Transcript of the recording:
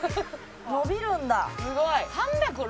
伸びるんだ。